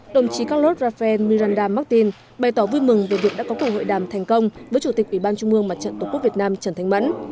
đồng chí carlos rafael miranda martin bày tỏ vui mừng về việc đã có cuộc hội đàm thành công với chủ tịch ủy ban trung mương mặt trận tổ quốc việt nam trần thanh mẫn